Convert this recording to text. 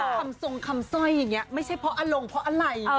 ตามซองคำสวยไม่ใช่เพราะอลงเพราะอะไร